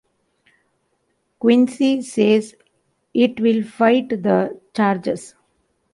Quincy says it will fight the charges.